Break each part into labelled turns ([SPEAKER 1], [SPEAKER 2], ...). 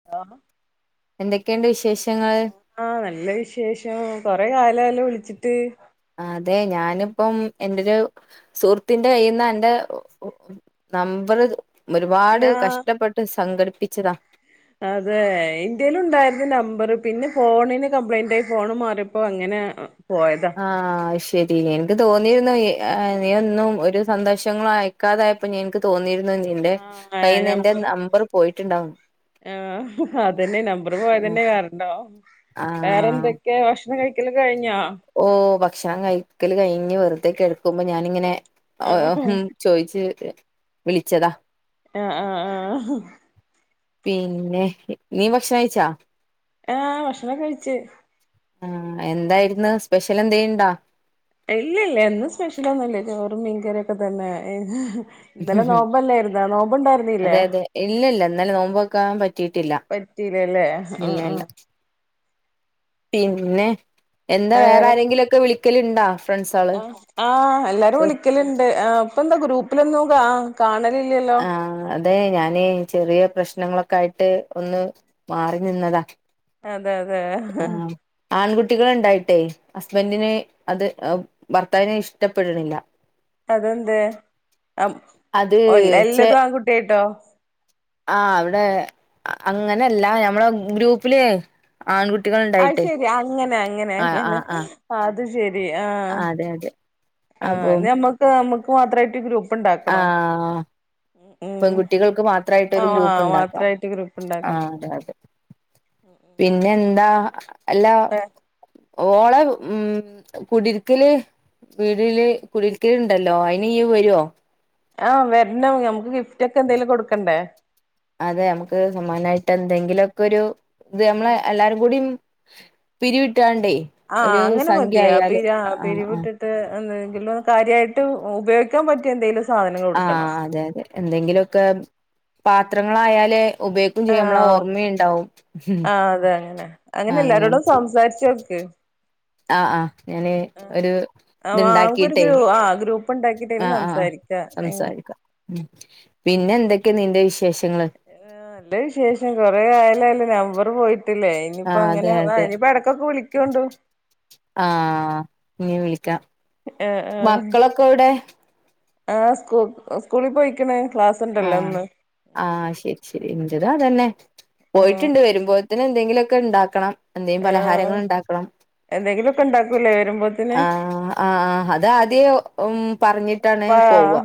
[SPEAKER 1] [unintelligible]
[SPEAKER 2] എന്തൊക്കെയുണ്ട് വിശേഷങ്ങൾ
[SPEAKER 1] ആഹ് നല്ല വിശേഷം കൊറെ കാലായല്ലോ വിളിച്ചിട്ട്
[SPEAKER 2] അതെ ഞാനിപ്പം എന്റൊരു സുഹൃത്തിന്റെ കയ്യിന്ന് അന്റെ നമ്പർ ഒരുപാട്
[SPEAKER 1] ഞാ
[SPEAKER 2] കഷ്ടപ്പെട്ട് സംഘടിപ്പിച്ചതാ
[SPEAKER 1] അതെ ഇന്റേലും ഉണ്ടായിരുന്നു നമ്പർ പിന്നെ ഫോണിന് കംപ്ലൈന്റ് ആയി ഫോണ് മാറിയപ്പോ അങ്ങനെ പോയത്
[SPEAKER 2] ആഹ് ശരി ല്ലേ എനിക്ക് തോന്നിയിരുന്നു നീ ഒന്നും ഒരു സന്തോഷങ്ങളും അയക്കാതായ പ്പൊ ഞെൻക്ക് തോന്നിയിരുന്നു നിന്റെ
[SPEAKER 1] ആഹ്
[SPEAKER 2] കയ്യിൽന്ന്
[SPEAKER 1] നം
[SPEAKER 2] എന്റെ നമ്പർ പോയിട്ടുണ്ടാവും
[SPEAKER 1] ആഹ് അതന്നെ നമ്പർ പോയതന്നെ കാരണം
[SPEAKER 2] ആഹ്
[SPEAKER 1] വേറെന്തൊ ക്കേ ക്ഷണം കഴിക്കല് കഴിഞ്ഞോ
[SPEAKER 2] ഓഹ് ഭക്ഷണം കഴിക്കല് കഴിഞ്ഞ് വെറുതേ കിടക്കുമ്പോ ഞാാനിങ്ങനെ
[SPEAKER 1] ആഹ്
[SPEAKER 2] ചോയിച്ച് വിളിച്ചതാ
[SPEAKER 1] ആഹ് ആഹ് ആഹ് ആഹ്
[SPEAKER 2] പിന്നെ നീ ഭക്ഷണം കഴിച്ചാ
[SPEAKER 1] ആഹ് ഭക്ഷണംക്കെ കഴിച്ച്
[SPEAKER 2] ആഹ് എന്തായിരുന്നു സ്പെഷ്യൽ എന്തേണ്ടാ
[SPEAKER 1] ഇല്ല ഇല്ല എന്നും സ്പെഷ്യലൊന്നൂല്ല ചോറും മീൻകറിയൊക്കെ തന്നെ ഇന്നലെ നോമ്പല്ലായിരുന്നോ നോമ്പ് ണ്ടായിരുന്നീല്ലേ
[SPEAKER 2] ഇല്ലല്ല ഇന്നലെ നോമ്പോക്കാൻ പറ്റിട്ടില്ല
[SPEAKER 1] പറ്റീലല്ലേ ആഹ്
[SPEAKER 2] ഇല്ലല്ല
[SPEAKER 1] ആഹ്
[SPEAKER 2] പിന്നെ എന്താ വേറെ ആരെങ്കിലും ഒക്കെ വിളിക്കലിണ്ടോ ഫ്രണ്ട്സാള്
[SPEAKER 1] ആഹ് ആഹ് എല്ലാരും വിളിക്കല്ണ്ട് ഇപ്പ എന്താ ഗ്രൂപ്പിലൊന്നുംകാ കാണലില്ലല്ലോ
[SPEAKER 2] ആഹ് അതെ ഞാന് ചെറിയ പ്രശ്നങ്ങളൊക്കെ ആയിട്ട് ഒന്ന് മാറി നിന്നതാ
[SPEAKER 1] അതെ അതെ
[SPEAKER 2] ആഹ് ആൺകുട്ടികൾ ണ്ടായിട്ടെ ഹസ്ബൻറിന് അത്അഹ് ഭർത്താവിനഅ് ഇഷ്ടപ്പെട്ണില്ല
[SPEAKER 1] അതെന്തേ
[SPEAKER 2] അത്
[SPEAKER 1] അപ്
[SPEAKER 2] ചെ
[SPEAKER 1] എല്ലതും ആൺകുട്ടിയായിട്ടോ
[SPEAKER 2] ആഹ് ഇവിടെ അങ്ങനെല്ല ഞമ്മളെ ഗ്രൂപ്പില് ആൺകുട്ടികൾ
[SPEAKER 1] അഹ്
[SPEAKER 2] ഉണ്ടായിട്ടേ
[SPEAKER 1] ശെരി അങ്ങനെ അങ്ങനെ
[SPEAKER 2] ആഹ്
[SPEAKER 1] അങ്ങനെ
[SPEAKER 2] ആഹ് ആഹ്
[SPEAKER 1] അത് ശെരി ആഹ്
[SPEAKER 2] അതെ അതെ
[SPEAKER 1] ആഹ്
[SPEAKER 2] അപ്പം
[SPEAKER 1] ന്നമ്മക്ക് നമ്മുക്ക് മാത്രായിട്ട് ഗ്രൂ
[SPEAKER 2] ആഹ്
[SPEAKER 1] ഉം
[SPEAKER 2] പെൺ കുട്ടികൾക്ക് മാത്രായിട്ടൊരു ഗ്രൂപ്പ്
[SPEAKER 1] ആഹ്
[SPEAKER 2] ണ്ടാക്കാം
[SPEAKER 1] മാത്രായിട്ട് ഗ്രൂപ്പ് ഉണ്ടാക്കണം
[SPEAKER 2] ആഹ് അതെ അതെ പിന്നെ എന്താ അല്ലാ ഓളെ ഉം കുടിരിക്കല് വീടില് കുടിരിക്കല്ണ്ടല്ലോ അയിന് ഇയ്യ് വരോ
[SPEAKER 1] ആഹ് വര്ണം നമക്ക് ഗിഫ്റ്റക്കെ എന്തെലും കൊടുക്കണ്ടേ
[SPEAKER 2] അതെ നമുക്ക് സമ്മാനായിട്ട് എന്തെങ്കിലുഒക്കെ ഒരു ഇത്
[SPEAKER 1] ആഹ്
[SPEAKER 2] നമ്മളെ എല്ലാരും കൂടീം പിരിവിട്ടാണ്ടേ
[SPEAKER 1] ആഹ് അങ്ങനെ
[SPEAKER 2] സംഖ്യ
[SPEAKER 1] മതിയാ പി
[SPEAKER 2] ആയാല് ആഹ് ആഹ്
[SPEAKER 1] പിെരിവ്ട്ട് ത് എന്തെങ്കിലും കാര്യായിട്ട് ഉപയോഗിക്കാൻ പറ്റ്യ എന്തേലും
[SPEAKER 2] ആഹ് അതെ അതെ എന്തെങ്കിലൊക്കെ പാത്രങ്ങളായാലേ ഉപയ് ഇം ചെയ്യാം നമ്മള ഓർമ്മിണ്ടാവുംം
[SPEAKER 1] ആതെന്നെ അങ്ങനെ എല്ലാരോടും സംസാരിച്ചോക്ക്
[SPEAKER 2] ആഹ് ആഹ് ഞാന് ഒരു
[SPEAKER 1] ആഹ് നമുക്കൊരു
[SPEAKER 2] ഇത്ണ്ടാക്കിട്ടേ
[SPEAKER 1] ഗ്രൂ ആഹ് ഗ്രൂപ്പ് ഉണ്ടാക്കിട്ട് അയില്
[SPEAKER 2] ആഹ് ആഹ്
[SPEAKER 1] സംസാരിക്കാ
[SPEAKER 2] സംസാരിക്കാ ഉം പിന്നെ എന്തൊക്കെ നീന്റെ വിശേഷങ്ങള്
[SPEAKER 1] ന്റെ വിശേഷം കൊറേയായല്ലോ അന്റെ നമ്പർ പോയി ട്ടില്ലേ ഇനിയിപ്പ
[SPEAKER 2] ആഹ് അതെ
[SPEAKER 1] അങ്ങനെ
[SPEAKER 2] അതെ
[SPEAKER 1] ഇനിയിപ്പ ഇടക്കൊക്കെ വിളിക്കണ്ടോ
[SPEAKER 2] ആഹ് ഇനീ വിളിക്കാം
[SPEAKER 1] ആഹ് ആഹ്
[SPEAKER 2] മക്കളൊക്കെ എവ്ടെ
[SPEAKER 1] ആഹ് സ്കൂ സ്കൂളിൽ പോയിക്കണ ക്ലാസ് ഉണ്ടല്ലോ
[SPEAKER 2] ആഹ്
[SPEAKER 1] ഇന്ന്
[SPEAKER 2] ആഹ് ശരി ശരി ഇന്റേതും അതന്നെ
[SPEAKER 1] ആഹ്
[SPEAKER 2] പോയിട്ടുണ്ട് വരുമ്പോ എന്തെങ്കിലുമൊക്കെ ഉണ്ടാക്കണം എന്തേ
[SPEAKER 1] ആഹ്
[SPEAKER 2] പലഹാരങ്ങൾ ഉണ്ടാക്കണം
[SPEAKER 1] എന്തെങ്കിലുമൊക്കെ ഉണ്ടാക്കൂലേ വരുമ്പോത്തിന്
[SPEAKER 2] ആഹ ആഹ് അത് ആദ്യ പറഞ്ഞിട്ടാണ് പോവുക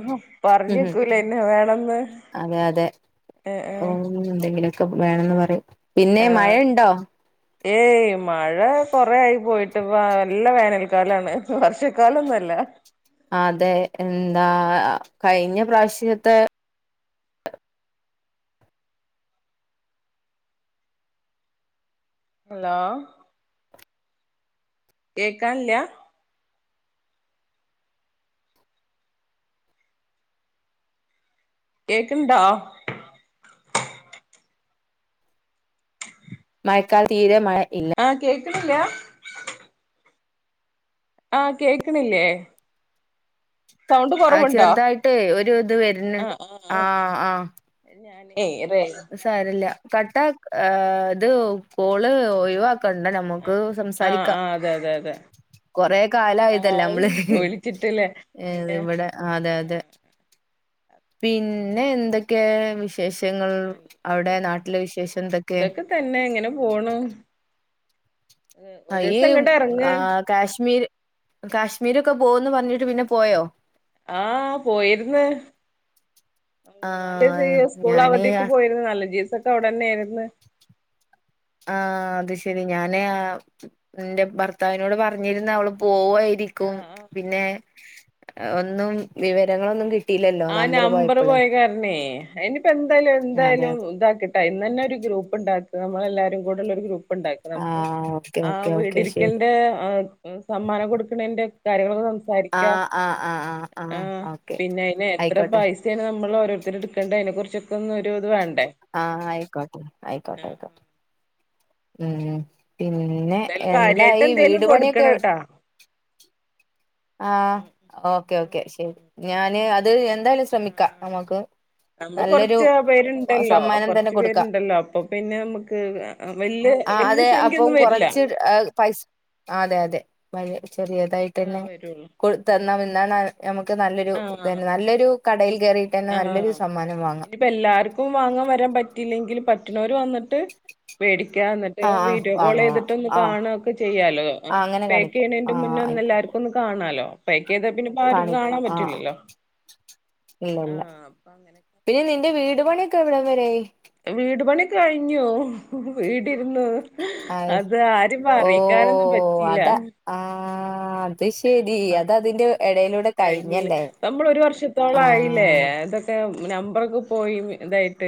[SPEAKER 2] ഉം
[SPEAKER 1] ല്ലന്നെ വേണന്ന്
[SPEAKER 2] അതെ അതെ ഓ എന്തെങ്കിലുമൊക്കെ വേണന്ന് പറയും പിന്നെ
[SPEAKER 1] ആഹ്
[SPEAKER 2] മഴയുണ്ടോ
[SPEAKER 1] ഏയ് മഴ കൊറെ ആയി പോയിട്ട്പ്പ നല്ല വേനൽക്കാലാണ് വർഷക്കാലൊന്നുല്ല
[SPEAKER 2] അതെ എന്താ കഴിഞ്ഞ പ്രാവശ്യത്തെ
[SPEAKER 1] ഹലോ കേക്കാൻ ല്ല കേൾക്കു ണ്ടോ
[SPEAKER 2] മഴക്കാല തീരെ മഴ ഇല്ല
[SPEAKER 1] ആഹ് കേക്കണില്ല ആഹ കേക്കണില്ലേ സൗണ്ട്
[SPEAKER 2] ആ
[SPEAKER 1] കുറവുണ്ടോ
[SPEAKER 2] ചെറുതായിട്ട് ഒരു ഇത് വരുന്നുണ്ട്
[SPEAKER 1] ആഹ് ആഹ്
[SPEAKER 2] ആഹ്
[SPEAKER 1] ഞാനേ അതേ
[SPEAKER 2] സാരല്ല കട്ട ഇത് കോള് ഒഴിവാക്ക കണ്ട നമുക്ക്
[SPEAKER 1] ആഹ് ആഹ്
[SPEAKER 2] സംസാരിക്കാം
[SPEAKER 1] ആഹ് അതെ അതെ അതെ
[SPEAKER 2] കൊറെ കാലയതല്ലേ
[SPEAKER 1] ആഹ്
[SPEAKER 2] നമ്മള്
[SPEAKER 1] വിളിച്ചിട്ടില്ലേ
[SPEAKER 2] ഏ
[SPEAKER 1] പിന്നെ
[SPEAKER 2] ഇവിടെ അതെ അതെ
[SPEAKER 1] ആഹ്
[SPEAKER 2] പിന്നെ എന്തൊക്കെ വിശേഷങ്ങൾ അവിടെ നാട്ടിലെ വിശേഷം എന്തൊക്കെ
[SPEAKER 1] ഇതൊക്കെ തന്നെ എങ്ങനെ പോണു
[SPEAKER 2] ആ,
[SPEAKER 1] ഒരു
[SPEAKER 2] ഈ
[SPEAKER 1] ദിവസം ഇങ്ങോട്ട് ഇറങ്
[SPEAKER 2] ആ കാശ്മീർ കാശ്മീരൊക്കെ പോകന്ന് പറഞ്ഞിട്ട് പിന്നെ പോയോ
[SPEAKER 1] ആഹ പോയിര് ന്ന്
[SPEAKER 2] ആ
[SPEAKER 1] മൂ നാല് ദിവ സ്കൂൾ
[SPEAKER 2] ഞാന്
[SPEAKER 1] അവധിക്ക് പോയിരുന്നു നാലഞ്ച ദിവസൊക്കെ അവിടെന്നെയായിരുന്നു
[SPEAKER 2] ആഹ അത് ശരി ഞാനേ എന്റെ ഭർത്താവിനോട് പറഞ്ഞിരന്ന് അവള് പോവുയിരിക്കും
[SPEAKER 1] ആഹ് ആഹ്
[SPEAKER 2] ക്കും പിന്നെ ഒന്നും വിവരങ്ങളൊന്നും കിട്ട കിട്ടില ല്ലോ നമ്പറ് പോയപ്പളെ
[SPEAKER 1] അന്നെ ഇനിപ്പോ എന്തായാലും എന്തായാലും
[SPEAKER 2] അതെ
[SPEAKER 1] ഇതാക്കി ഇന്നന്നെ ഒരു ഗ്രൂപ്പ് ഉണ്ടാക്കാ നമ്മളെല്ലാരും കൂടെള്ള ഒരു ഗ്രൂപ്പ് ണ്ടാക്ക
[SPEAKER 2] ആ
[SPEAKER 1] നമുക്ക്
[SPEAKER 2] ഓക്കെ
[SPEAKER 1] ആ
[SPEAKER 2] ഓക്കെ ഓക്കെ ശരി
[SPEAKER 1] വീടിരിക്കലിന്റെ സമ്മാനം കൊടുക്കണതിന്റെ കാര്യങ്ങളൊക്കെ
[SPEAKER 2] ആ
[SPEAKER 1] സംസാരിക്ക
[SPEAKER 2] ആ ആ
[SPEAKER 1] ആ
[SPEAKER 2] ഓക്കെ
[SPEAKER 1] പിന്നെ അയിന് എത്ര
[SPEAKER 2] ആയിക്കോട്ടെ
[SPEAKER 1] നമ്മൾ ഓരോരുതർ എടുക്കണ്ട അതിനെകുറിച്ചൊക്ക ഒന്നും ഇത് വണ്ട
[SPEAKER 2] ആഹ് ആയിക്കോട്ടെ ആയിക്കോട്ടെ ആയിക്കോട്ടെ ഉം പിന്നെ
[SPEAKER 1] എന്തായാലും കാര്യായിട്ട്
[SPEAKER 2] എന്തായി
[SPEAKER 1] എന്തേലും
[SPEAKER 2] വീട് പണിയൊക്കെ
[SPEAKER 1] കൊടുക്കണംട്ടാ
[SPEAKER 2] ആഹ്
[SPEAKER 1] ഉം
[SPEAKER 2] ഓക്കെ
[SPEAKER 1] ഉം
[SPEAKER 2] ഓക്കെ ശരി
[SPEAKER 1] ഉം
[SPEAKER 2] ഞാന് അത് എന്തായാലും ശ്രമിക്കാം നമുക്ക്
[SPEAKER 1] നമ്മൾ
[SPEAKER 2] നല്ലൊരു
[SPEAKER 1] കൊറച്ച് പേരുണ്ടല്ലോ
[SPEAKER 2] സമ്മാനം തന്നെ
[SPEAKER 1] കൊറച്ച് പേരുണ്ടല്ലോ അപ്പൊ പിന്നെ നമുക്ക് വല്യ
[SPEAKER 2] ആഹ്
[SPEAKER 1] വല്യ
[SPEAKER 2] അതെ
[SPEAKER 1] സംഖ്യ
[SPEAKER 2] അപ്പം
[SPEAKER 1] ഒന്നും വരില്ല
[SPEAKER 2] കൊറച്ച് പൈസ അതെ അതെ വ ചെറിയതായിട്ട് തന്നെ
[SPEAKER 1] ആഹ് വരുള്ളൂ
[SPEAKER 2] കൊ തന്നാമതി എന്നാണ് നമുക്ക് നല്ലൊരു
[SPEAKER 1] ആഹ്
[SPEAKER 2] ഇതെയ്നി നല്ലൊരു കടയിൽ കറി
[SPEAKER 1] ആഹ് ഇനിപ്പം എല്ലാർക്കും വാങ്ങാൻ വരാൻ പറ്റയില്ലെങ്കിൽ പറ്റുന്നവര് വന്നിട്ട് വേടിക്കാ എന്നിട്ട്
[SPEAKER 2] ആ ആ
[SPEAKER 1] വീഡിയോ കോൾ
[SPEAKER 2] വാങ്ങാ
[SPEAKER 1] ചെയ്തിട്ട് ഒന്ന്
[SPEAKER 2] ആ
[SPEAKER 1] കാണൊക്കെ ചെയ്യാലോ
[SPEAKER 2] ആ അങ്ങനെ
[SPEAKER 1] പേക്ക്
[SPEAKER 2] കാണിക്കാം ആ
[SPEAKER 1] ചെയ്യ്ണീന്റെ മുന്നേ ഒന്ന്
[SPEAKER 2] ആയിക്കോട്ടെ
[SPEAKER 1] എല്ലാർക്കും ഒന്ന് കാണാലോ പേക്ക് ചെയ്താൽ പിന്നെപ്പോ ആർക്കും
[SPEAKER 2] കാണിക്കാം
[SPEAKER 1] കാണാൻ
[SPEAKER 2] ആ
[SPEAKER 1] പറ്റൂല്ലല്ലോ
[SPEAKER 2] ഇല്ല ഇല്ല
[SPEAKER 1] അങ്ങനെയൊക്കെ
[SPEAKER 2] പിന്നെ നിന്റെ വീട് പണിയൊക്കെ എവിടം വരെ ആയി
[SPEAKER 1] വീട് പണി കഴിഞ്ഞു വീടിരുന്ന്
[SPEAKER 2] ആയി
[SPEAKER 1] അത് ആരും അറിയിക്കാനൊന്നും പറ്റില്ല
[SPEAKER 2] ആഹ് അത്ശരി അത് അതിന്റെ ഇടയിലൂടെ
[SPEAKER 1] കഴിഞ്ഞില്ല
[SPEAKER 2] കഴിഞ്ഞല്ലേ ആഹ്
[SPEAKER 1] അൻ്റെ നമ്പറൊക്കെ പോയിരുന്നു ഇതായിട്ട്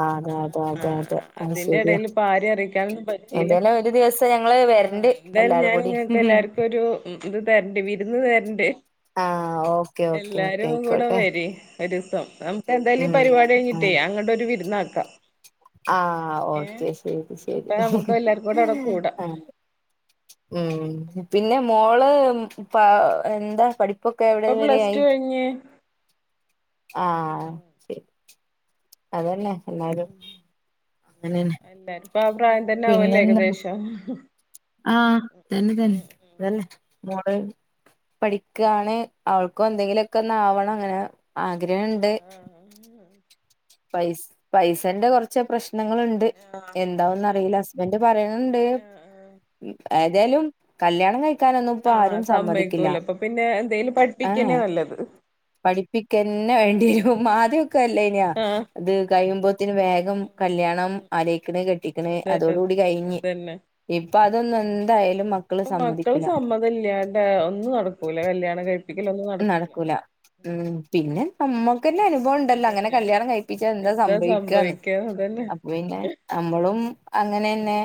[SPEAKER 2] ആ, അതെ അതെ അതെ അതെ
[SPEAKER 1] ആഹ്
[SPEAKER 2] അത്
[SPEAKER 1] അതിൻ്റെ
[SPEAKER 2] ശരിയാ
[SPEAKER 1] എടേല് ഇപ്പാര്യം അറിയിക്കാനൊന്നും പറ്റില്ലേ
[SPEAKER 2] എന്തായാലും ഒരു ദിവസം ഞങ്ങള്
[SPEAKER 1] ആഹ്
[SPEAKER 2] വരണ്ട്
[SPEAKER 1] ആഹ് എന്തായാലും
[SPEAKER 2] എല്ലാരും
[SPEAKER 1] ഞാൻ
[SPEAKER 2] കൂടി
[SPEAKER 1] നിങ്ങക്ക് എല്ലാർക്കും ഒരു ഉം ഇത് തരണ്ടേ വിരുന്ന് വരണ്ട്
[SPEAKER 2] ആഹ് ഓക്കെ ഓക്കെ ഓക്കെ
[SPEAKER 1] എല്ലാരും കൂടെ
[SPEAKER 2] ആയിക്കോട്ടെ
[SPEAKER 1] വരി ഒരിസം നമുക്ക് എന്തായാലും ഈ
[SPEAKER 2] ഉം
[SPEAKER 1] പരിപാടി കഴിഞ്ഞിട്ട്
[SPEAKER 2] ആഹ്
[SPEAKER 1] അങ്ങോട്ട് ഒരു വിരുന്നാക്കാം
[SPEAKER 2] ആഹ്
[SPEAKER 1] ഏ
[SPEAKER 2] ഓക്കെ ശരി ശരി
[SPEAKER 1] അപ്പൊ നമുക്ക് എല്ലാർക്കും കൂടെ അവിടെ കൂടാം
[SPEAKER 2] ആഹ് ഉം പിന്നെ മോള് എന്താ പഠിപ്പൊക്കെ എവിടെം വരേആയി
[SPEAKER 1] പിന്നെ
[SPEAKER 2] ആഹ്
[SPEAKER 1] ആഹ്
[SPEAKER 2] അതന്നെ എന്നാലും
[SPEAKER 1] ഉം എല്ലാരും ഇപ്പം ആഹ് പ്രായം തന്നെ ആവല്ലേ
[SPEAKER 2] പിന്നെന്താ
[SPEAKER 1] ഏകദേശം
[SPEAKER 2] ആഹ് തന്നെ
[SPEAKER 1] ഉം ഉം
[SPEAKER 2] തന്നെ മൊട് പഠിക്കാണ് അവൾക്കും എന്തെങ്കിലുമൊക്കെ ഒന്ന് ആവണം അങ്ങനെ ആഗ്രഹം ഉണ്ട്
[SPEAKER 1] ആഹ് ആഹ്
[SPEAKER 2] പൈ പൈസേന്റെ കുറച്ച് പ്രശ്നങ്ങളുണ്ട്
[SPEAKER 1] ആഹ്
[SPEAKER 2] എന്താവുമെന്ന് അറില്ല അവന്റെ പറയുന്നുണ്ട്
[SPEAKER 1] ആഹ് ആഹ്
[SPEAKER 2] ഏതായാലും കല്യാണം കഴി
[SPEAKER 1] ആഹ് സമ്മേയ്ക്കൂല അപ്പൊ പിന്നെ എന്തേലും പഠിപ്പിക്കെന്നേ നല്ലത്
[SPEAKER 2] പഠിപ്പിക്കെന്നെ വേണ്ടിരും ആദ്യക്കെ അല്ലായ്ന്നൊ
[SPEAKER 1] ആഹ്
[SPEAKER 2] ത് കഴിയുമ്പോത്തിന് വേഗം കല്യാണം അലോയ്ക്ക്ണ് കെട്ടിക്ക്ണ്
[SPEAKER 1] അതന്നെ
[SPEAKER 2] അതോടുകൂടി കഴിഞ്ഞ്
[SPEAKER 1] അതന്നെ
[SPEAKER 2] ഇപ്പൊ അതൊന്നും എന്തായാലും മ
[SPEAKER 1] ഇപ്പ മക്കളെ സമ്മതം ഇല്ലാണ്ടെ ഒന്നും നടക്കൂല കല്യാണം കഴിപ്പി
[SPEAKER 2] നടക്കൂല ഉം പിന്നെ നമ്മുക്ക്ന്നെ അനുഭവം അനുഭവം ഉണ്ടല്ലോ അങ്ങനെ
[SPEAKER 1] അതന്നെ
[SPEAKER 2] കല്യാണം കഴിപ്പിച്ചാ എന്താ സംഭവിക്കാന്ന്
[SPEAKER 1] സംഭവിക്കാ അതന്നെ
[SPEAKER 2] അപ്പൊ പിന്നെ നമ്മളും അങ്ങനെന്നെ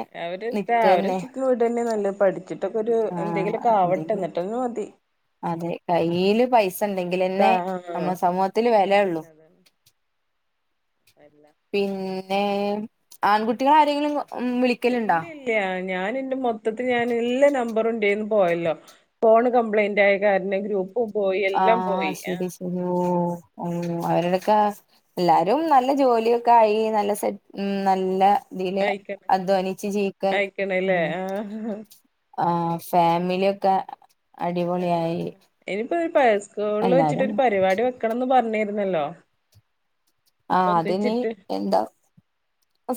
[SPEAKER 2] നിക്കെന്നെ
[SPEAKER 1] ഇത് വിടന്നെ നല്ലത് പഠിച്ചിട്ടൊക്കെ ഒരു എന്തെങ്കിലുമൊക്കെ ആവട്ടെ
[SPEAKER 2] എന്തെങ്കിലും
[SPEAKER 1] ഇന്നട്ടെന്നെ മതി
[SPEAKER 2] അതെ കയ്യില് പൈസ
[SPEAKER 1] ആ
[SPEAKER 2] ണ്ടെങ്കിലെന്നെ നമ്മളെ സമൂഹത്തില് വെലഒള്ളു
[SPEAKER 1] അതന്നെ അതന്നെ അല്ല
[SPEAKER 2] പിന്നെ ആൺകുട്ടികളാരെങ്കിലും വിളിക്ക
[SPEAKER 1] ഇല്ല ഇല്ല ഞാന് എന്റെ മൊത്തത്തില് ഞാൻ എല്ലാ നമ്പറും ഇൻ്റേന്ന് പോയല്ലോ ഫോൺ കപ്ലേയിന്റ് ആയ കാരണം ഗ്രൂപ്പും പോയി എല്ലാം പോയി
[SPEAKER 2] ഓ അവരുടക്കെ എല്ലാരും നല്ല ജോലിയൊക്കെ ആയി നല്ല സെ ഉം നല്ല തില്
[SPEAKER 1] അയക്കണ
[SPEAKER 2] അധ്വാനിച്ച് ജീയിക്കാൻ
[SPEAKER 1] അയക്കണല്ലേ
[SPEAKER 2] ഉം
[SPEAKER 1] ആ
[SPEAKER 2] ആഹ് ഫാമിലിയൊക്കെ
[SPEAKER 1] ആ
[SPEAKER 2] അടിപൊളിയായി
[SPEAKER 1] ഇനിയിപ്പോ പയസ്കൂളില് വെച്ചിട്ട്
[SPEAKER 2] എല്ലാരും
[SPEAKER 1] ഒരു പരിപാടി വെക്കണം എന്ന് പറഞ്ഞിരുന്നല്ലോ
[SPEAKER 2] ആഹ് അത് നീ
[SPEAKER 1] ഒന്നിച്ചിട്ട്
[SPEAKER 2] എന്താ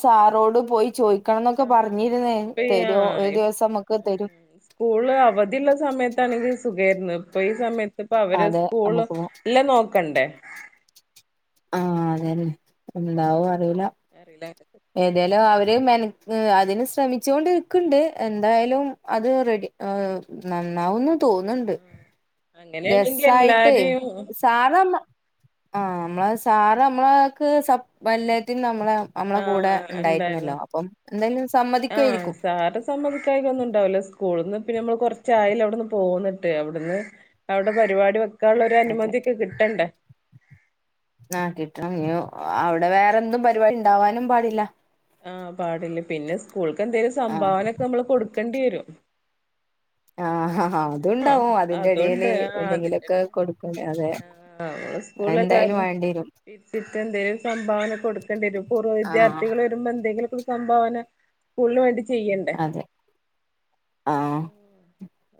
[SPEAKER 2] സാറോട് പോയി ചോയ് ചൊയ്ക്ക എന്നൊക്കെ പറഞ്ഞിരുന്നേ
[SPEAKER 1] ഇപ്പയാ
[SPEAKER 2] തരോ ഒരു ദിവസം നമുക്ക് തരും
[SPEAKER 1] സ്കൂള് അവധിയുള്ള സമയത്താണങ്കിൽ സുഖായിരുന്നു ഇപ്പൊ ഈ സമയത്ത് യത്ത് ഇപ്പം അവര്
[SPEAKER 2] അതെ
[SPEAKER 1] സ്കൂള്
[SPEAKER 2] നമുക്ക്
[SPEAKER 1] എല്ലാം നോക്കണ്ടേ
[SPEAKER 2] ആഹ് അതന്നെ എന്താവും അറില്ല
[SPEAKER 1] അറില്ല [unintelligible]
[SPEAKER 2] ഏതായാലും അവര് മെന അതിന് ശ്രമിച്ചോണ്ടിരിക്ക്ണ്ട് എന്തായാലും അത് റെഡി നന്നാവുന്ന്
[SPEAKER 1] ആ ആ
[SPEAKER 2] തോന്ന്ണ്ട്
[SPEAKER 1] അങ്ങനെയാണെങ്കി
[SPEAKER 2] രസായിട്ട്
[SPEAKER 1] എല്ലാരെയും
[SPEAKER 2] സാറ് നമ്മ ആ നമ്മള സാറ് നമ്മളക്ക് സ വല്ലിയത നമ്മളും നമ്മളെ
[SPEAKER 1] ആ
[SPEAKER 2] കൂടെ
[SPEAKER 1] ഉണ്ടായിരുന്നു
[SPEAKER 2] ഉണ്ടായിരുന്നല്ലോ അപ്പം എന്തായാലും സമ്മതിക്കുആയിരിക്കും
[SPEAKER 1] സമ്മതിക്കായിക ഒന്നും ഉണ്ടാവില്ലോ സ്കൂളിൽ നിന്ന് പിന്നെ നമ്മൾ കുറച്ചായലോ അവിടെന്ന് പോന്നിട്ട് അവിടുന്ന് അവിടെ പരിപാടി വെക്കാനുള്ള ഒരു
[SPEAKER 2] അതെ
[SPEAKER 1] അനുമതി ഒക്കെ കിട്ടണ്ടേ
[SPEAKER 2] ആഹ് കിട്ടണം ന അവിടെ വേറെന്തും പരിവാടി ഉണ്ടാവാനും പാടില്ല
[SPEAKER 1] ആഹ് പാടില്ലേ പിന്നെ സ്കൂൾക്കെന്തേലും
[SPEAKER 2] ആഹ്
[SPEAKER 1] സംഭാവനൊക്കെ നമ്മള് കൊടുക്കെണ്ടി വരും
[SPEAKER 2] ആഹ് ആഹ് ആഹ് അത്ണ്ടാവും അതിന്റെ ഇടേൽ
[SPEAKER 1] അതുണ്ട് ആഹ് അതിന്റെ
[SPEAKER 2] എന്തെങ്കിലുമൊക്കെ
[SPEAKER 1] ഇടയില്
[SPEAKER 2] കൊടുക്കണ്ട അതെ എന്തായാലും വേണ്ടി വരും
[SPEAKER 1] വിച്ചിട്ട എന്തേലും സംഭാവന കൊടുക്കേണ്ടി വരും പൂർവ്വ
[SPEAKER 2] ആഹ്
[SPEAKER 1] വിദ്യാർത്ഥികൾ വരു എന്തെങ്കിലും സംഭാവന സ്കൂളിന് വേണ്ടി ചെയ്യണ്ടേ
[SPEAKER 2] അതെ ആഹ്
[SPEAKER 1] ആ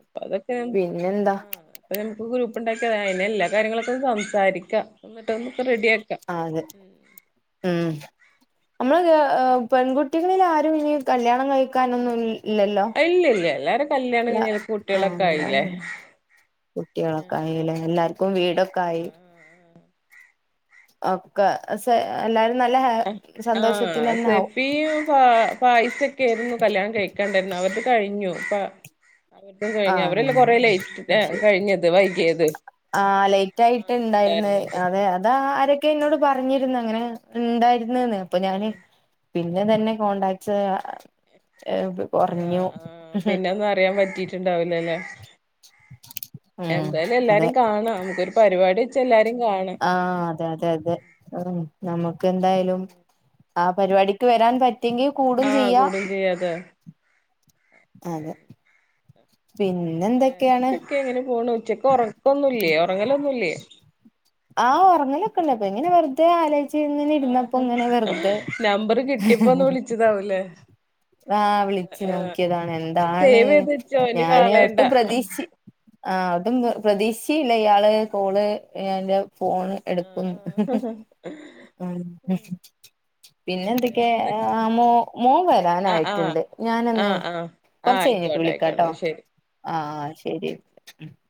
[SPEAKER 1] അപ്പൊ അതൊക്കെ ഉം
[SPEAKER 2] പിന്നെന്താ
[SPEAKER 1] അപ്പ നമുക്ക് ഗ്രൂപ്പുണ്ടാക്കിയ അ അതിനെ എല്ല കാര്യങ്ങളൊക്കെ സംസാരിക്കാം എന്നിട്ട് നമുക്ക് റെഡിയാക്കാം
[SPEAKER 2] അതെ
[SPEAKER 1] ഉം
[SPEAKER 2] ഉം നമ്മള് പെൺകുട്ടികളിൽ ആരും ഇനി കല്യാണം കഴിക്കാനൊന്നും ഇല്ലല്ലോ
[SPEAKER 1] ഇല്ല ഇല്ല എല്ലാരും കല്ല്യാണം
[SPEAKER 2] ഇല്ല
[SPEAKER 1] കഴഞ്ഞ്
[SPEAKER 2] ആഹ്
[SPEAKER 1] കുട്ടികളൊക്കെ
[SPEAKER 2] എല്ലാ
[SPEAKER 1] ആയില്ലേ
[SPEAKER 2] കുട്ടികളൊക്കെ
[SPEAKER 1] ആഹ് ആഹ്
[SPEAKER 2] ആയില്ലേ എല്ലാർക്കും വീടൊക്കെ
[SPEAKER 1] ആഹ്
[SPEAKER 2] ആയി
[SPEAKER 1] ആഹ് ആഹ്
[SPEAKER 2] ഒക്കെ എല്ലാരും നല്ല സന്തോഷത്തിലന്നെ ആവും
[SPEAKER 1] പ പായസൊക്കെ ആയിരുന്നു കല്യാണം കഴിക്കാണ്ടായിരുന്നു അവർക്ക് കഴിഞ്ഞു അവരുടെ കഴിഞ്ഞു
[SPEAKER 2] ആഹ്
[SPEAKER 1] അവരെല്ലാം കൊറേ
[SPEAKER 2] കഴിഞ്ഞല്ലേ
[SPEAKER 1] ലേറ്റ്
[SPEAKER 2] അത് ശരി
[SPEAKER 1] കഴിഞ്ഞത് വൈകിയത്
[SPEAKER 2] ആഹ് ലേറ്റ് ആയിട്ട്
[SPEAKER 1] ആഹ് ഉണ്ടായിരുന്നത്
[SPEAKER 2] ഇണ്ടായിരുന്നത് അതാ ആരൊ ഒക്കെ എന്നോട് പറഞ്ഞിരുന്നു അങ്ങനെ ഉണ്ടായിരുന്നെന്ന് അപ്പൊ ഞാന്
[SPEAKER 1] ഉം
[SPEAKER 2] പിന്നെ ഇതന്നെ കോടാറ്റ്സ്
[SPEAKER 1] ആഹ്
[SPEAKER 2] കുറഞ്ഞു
[SPEAKER 1] ആഹ് പിന്നൊന്നും അറിയാൻ പറ്റിണ്ടാവുല
[SPEAKER 2] ഉം
[SPEAKER 1] എന്തായാലും
[SPEAKER 2] അതെ
[SPEAKER 1] എല്ലാരിം കാണാ പരിപാടി വെചാ എല്ലാരിം കാ
[SPEAKER 2] ആഹ് അതെ അതെ അതെ ഉ നമുക്ക് എന്തായാലും ആഹ് പരിപാടിക്ക് വരാൻ പറ്റ എങ്കിൽ കൂടും ചെയ്യാ
[SPEAKER 1] അത് അതെ
[SPEAKER 2] അതെ പിന്നെ എന്തൊക്കെയാണ്
[SPEAKER 1] വേറെന്തൊക്കെ എങ്ങനെ പോണു ഉച്ചക്ക് ഉറക്കൊന്നുല്ലേ ഉറങ്ങലൊന്നുല്ലേ
[SPEAKER 2] ആഹ് ഉറങ്ങലൊക്കെ ഉണ്ട് ഇങ്ങനെ വെറുതെ ആലോ ചങ്ങനെ ഇരുന്നപ്പോ
[SPEAKER 1] ആഹ്
[SPEAKER 2] ഇങ്ങനെ വെറുതെ
[SPEAKER 1] ഇതാവല്ലേ
[SPEAKER 2] ആഹ് വിളിച്ചു നോക്കിയതാണ് എന്താണ്
[SPEAKER 1] സേവ് ചെയ്ത് വെച്ചോ ഇനി
[SPEAKER 2] ഞാന്
[SPEAKER 1] കളയണ്ട
[SPEAKER 2] ഒട്ടും പ്രതീക്ഷി ആഹ് അതും പ്രതീക്ഷിചീല്ല ഇയാള് കോള് അന്റെ ഫോണ് എടുക്കുന്നു ഉം പിന്നെ എന്തൊക്കെോ മോ
[SPEAKER 1] ആ ആ ആ
[SPEAKER 2] എനായിട്ടുണ്ട്
[SPEAKER 1] ആ
[SPEAKER 2] ഞാനന്ന്
[SPEAKER 1] ആ ആ
[SPEAKER 2] കൊറച്ച് കഴിഞ്ഞിട്ട്
[SPEAKER 1] ആയിക്കോട്ടെ
[SPEAKER 2] വിളിക്കാട്ടോ
[SPEAKER 1] ആയിക്കോട്ടെ ശരി
[SPEAKER 2] ആഹ് ആഹ് ശരി [unintelligible]